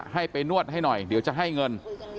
ให้ไปนวดให้หน่อยเดี๋ยวจะให้เงิน